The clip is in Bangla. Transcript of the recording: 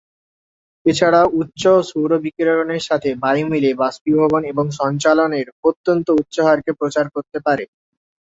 এছাড়াও, উচ্চ সৌর বিকিরণের সাথে বায়ু মিলে বাষ্পীভবন এবং সঞ্চালনের অত্যন্ত উচ্চ হারকে প্রচার করতে পারে।